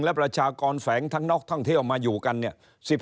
และประชากรแฝงทั้งนอกท่องเที่ยวมาอยู่กันเนี่ย